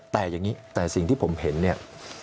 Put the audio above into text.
แต่อย่างนี้แต่สิ่งที่ผมเห็นเนี่ย